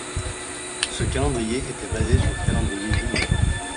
Ce calendrier était basé sur le calendrier julien.